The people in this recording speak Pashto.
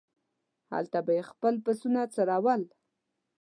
هلته به یې خپل پسونه څرول.